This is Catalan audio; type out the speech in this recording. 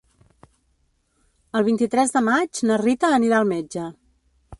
El vint-i-tres de maig na Rita anirà al metge.